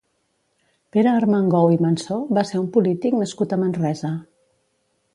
Pere Armengou i Mansó va ser un polític nascut a Manresa.